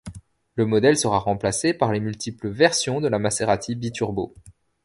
Le modèle sera remplacé par les multiples versions de la Maserati Biturbo.